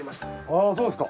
あぁそうですか。